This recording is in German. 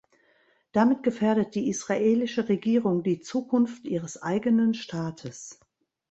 Damit gefährdet die israelische Regierung die Zukunft ihres eigenen Staates.